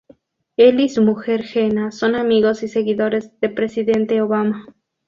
El y su mujer Gena son amigos y seguidores de Presidente Obama.